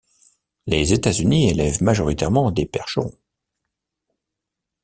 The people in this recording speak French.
Les États-Unis élèvent majoritairement des percherons.